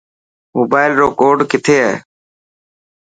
موبائل رو ڪوڊ ڪٿي هي.